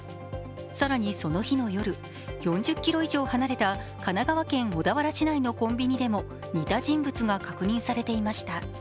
更に、その日の夜４０ｋｍ以上離れた神奈川県小田原市内のコンビニでも似た人物が確認されていました。